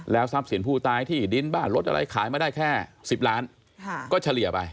ทรัพย์สินผู้ตายที่ดินบ้านรถอะไรขายมาได้แค่๑๐ล้านก็เฉลี่ยไป